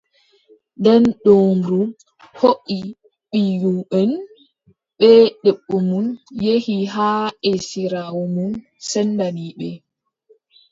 Nden doombru hooʼi ɓiyumʼen bee debbo mum, yehi haa esiraawo mum, sendani ɓe.